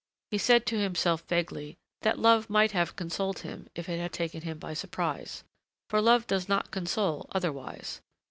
He said to himself vaguely that love might have consoled him if it had taken him by surprise, for love does not console otherwise.